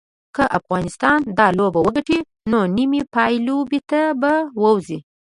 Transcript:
که افغانستان دا لوبه وګټي نو نیمې پایلوبې ته به ووځي